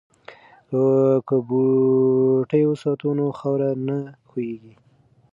که بوټي وساتو نو خاوره نه ښویېږي.